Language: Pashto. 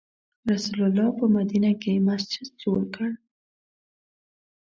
رسول الله په مدینه کې مسجد جوړ کړ.